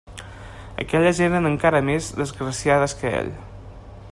Aquelles eren encara més desgraciades que ell.